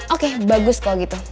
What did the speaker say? oke bagus kalau gitu